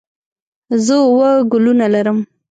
زه اووه ګلونه لرم.